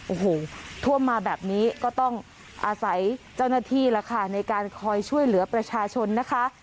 โอ้โหท่วมมาแบบนี้ก็ต้องอาศัยเจ้าหน้าที่แล้วค่ะในการคอยช่วยเหลือประชาชนนะคะ